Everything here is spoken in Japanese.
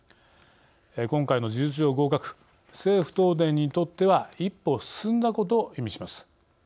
今回の事実上合格政府・東電にとっては一歩進んだことを意味します。